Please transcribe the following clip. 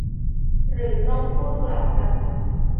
หรือต้องพูดกลับกัน ?